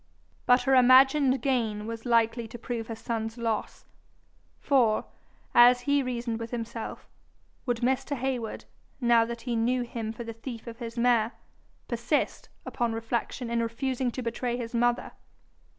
But her imagined gain was likely to prove her son's loss; for, as he reasoned with himself, would Mr. Heywood, now that he knew him for the thief of his mare, persist, upon reflection, in refusing to betray his mother?